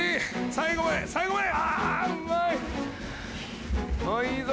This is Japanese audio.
最後まで最後まで！